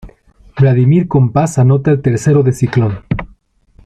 Vladimir Compás anota el tercero de Ciclón.